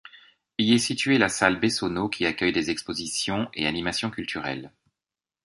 Y est située la salle Bessonneau qui accueille des expositions et animations culturelles.